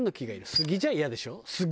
杉じゃイヤでしょ？